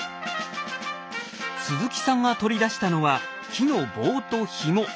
鈴木さんが取り出したのは木の棒とひも。